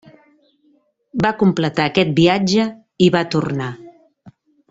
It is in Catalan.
Va completar aquest viatge i va tornar.